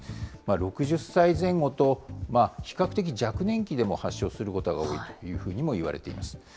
６０歳前後と、比較的若年期でも発症することが多いともいわれています。